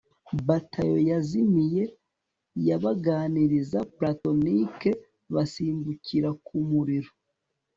bataillon yazimiye yabaganiriza platonike basimbukira kumuriro